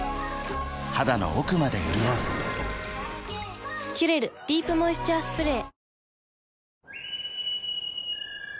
肌の奥まで潤う「キュレルディープモイスチャースプレー」